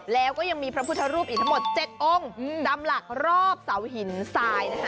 แล้วก็ยังมีพระพุทธรูปอีกทั้งหมด๗องค์จำหลักรอบเสาหินทรายนะคะ